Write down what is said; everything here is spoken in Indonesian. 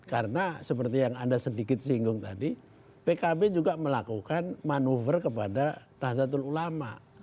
karena seperti yang anda sedikit singgung tadi pkb juga melakukan manuver kepada raja tul ulama